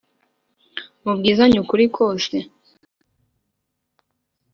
mubwizanye ukuri kose